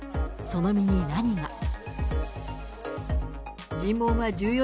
その身に何が。